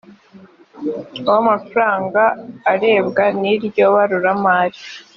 w amafaranga arebwa n iryo baruramari